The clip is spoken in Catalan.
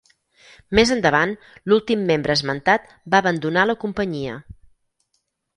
Més endavant, l'últim membre esmentat va abandonar la companyia.